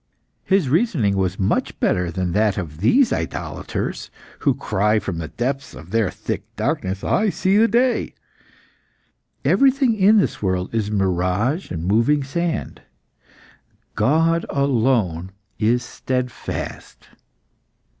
His reasoning was much better than that of these idolaters, who cry from the depths of their thick darkness, 'I see the day!' Everything in this world is mirage and moving sand. God alone is steadfast."